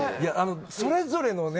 それぞれのね